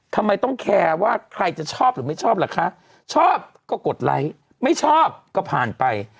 ทำไมต้องแคร์ว่าใครจะชอบหรือไม่ชอบล่ะคะชอบก็กดไลค์ไม่ชอบก็ผ่านไป